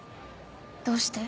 どうして？